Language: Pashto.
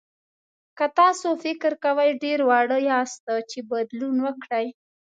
که تاسو فکر کوئ ډېر واړه یاست چې بدلون وکړئ.